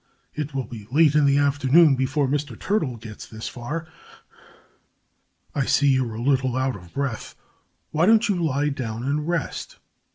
It will be late in the afternoon before Mr. Turtle gets this far. I see you're a little out of breath. Why don't you lie down and rest?